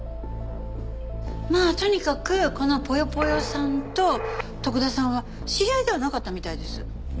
まあとにかくこのぽよぽよさんと徳田さんは知り合いではなかったみたいです。